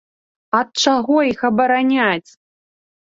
Ад чаго іх абараняць?